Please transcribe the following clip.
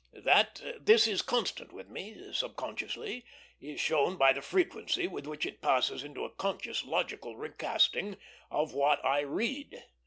That this is constant with me, subconsciously, is shown by the frequency with which it passes into a conscious logical recasting of what I read.